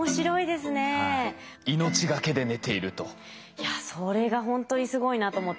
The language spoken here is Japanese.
いやそれがほんとにすごいなと思って。